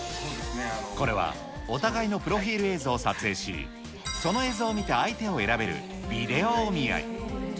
これはお互いのプロフィール映像を撮影し、その映像を見て相手を選べるビデオお見合い。